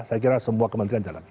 saya kira semua kementerian jalan